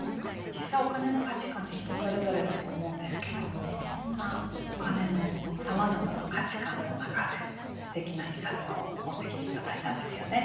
実際お金の価値観って人それぞれだと思うんですけどもそんなお金のさまざまな価値観の中ですてきな一冊を持ってきていただいたんですよね。